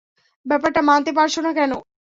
ব্যাপারটা মানতে পারছো না কেন?